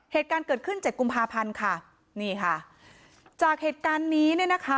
เหตุการณ์เกิดขึ้นเจ็ดกุมภาพันธ์ค่ะนี่ค่ะจากเหตุการณ์นี้เนี่ยนะคะ